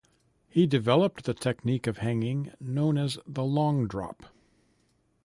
He developed the technique of hanging known as the "long drop".